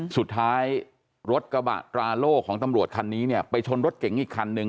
สุดท้ายรถกระบะตราโล่ของตำรวจคันนี้เนี่ยไปชนรถเก๋งอีกคันนึง